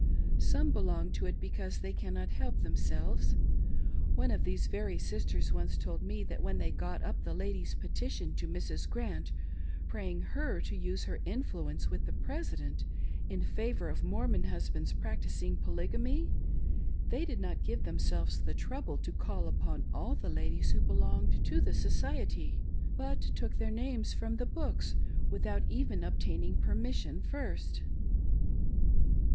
Some belong to it because they cannot help themselves. Ons of these very sisters once told me that when they got up the ladies' petition to Mrs. Grant, praying her to use her influence with the President in favor of Mormon husbands practicing Polygamy, they did not give themselves the trouble to call upon all the ladies who belonged to the Society, but took their 464 THE SIGNATURE OF THE DEAD. names from the books, without even obtaining permission first.